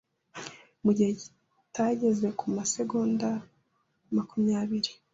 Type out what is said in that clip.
mu gihe kitageze ku masegonda makumyabiri